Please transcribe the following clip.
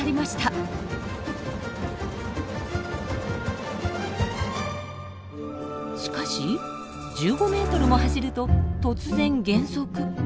しかし１５メートルも走ると突然減速。